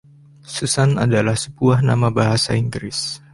Susan adalah sebuah nama bahasa Inggris.